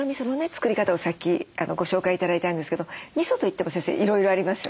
作り方をさっきご紹介頂いたんですけどみそといっても先生いろいろありますよね？